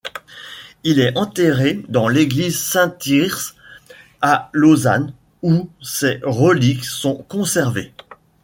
Il est enterré dans l'église Saint-Thyrse à Lausanne où ses reliques sont conservées.